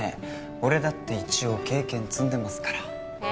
俺だって一応経験積んでますからえ？